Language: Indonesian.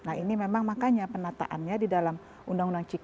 nah ini memang makanya penataannya di dalam undang undang cikar ini dilakukan